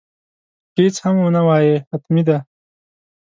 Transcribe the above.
که هیڅ هم ونه وایې حتمي ده.